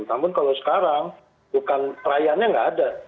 namun kalau sekarang perayaannya tidak ada